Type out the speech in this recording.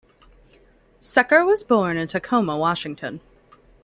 Secor was born in Tacoma, Washington.